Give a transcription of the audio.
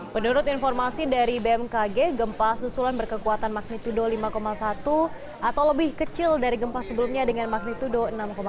menurut informasi dari bmkg gempa susulan berkekuatan magnitudo lima satu atau lebih kecil dari gempa sebelumnya dengan magnitudo enam tujuh